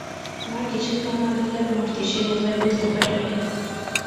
আমার কিছুক্ষণ আগেকার মূর্তি সে বোধহয় ভুলতে পারেনি।